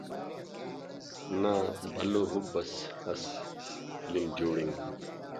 نا بھلو ہُب اس ئس فلم جوڑنگ